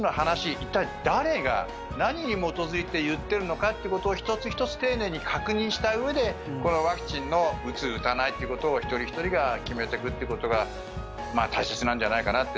一体、誰が何に基づいて言っているのかってことを１つ１つ丁寧に確認したうえでワクチンの打つ打たないってことを一人ひとりが決めてくってことが大切なんじゃないかなと